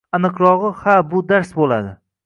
Aniqrogʻi ha bu dars boʻladi.